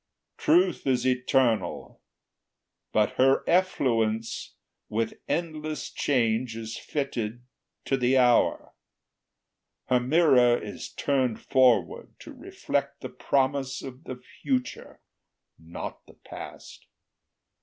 Truth is eternal, but her effluence, With endless change is fitted to the hour; Her mirror is turned forward to reflect The promise of the future, not the past.